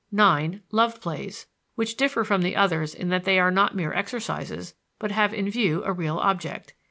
(9) Love plays, "which differ from the others in that they are not mere exercises, but have in view a real object."